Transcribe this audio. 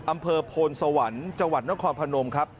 อำเภอโพนสวรรค์จนครพนมครับ